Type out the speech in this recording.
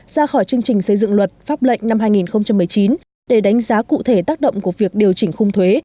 ra khỏi chương trình xây dựng luật pháp lệnh năm hai nghìn một mươi chín để đánh giá cụ thể tác động của việc điều chỉnh khung thuế